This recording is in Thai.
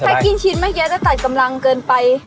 ถ้ากินชิ้นเมื่อกี้จะตัดกำลังเกินไป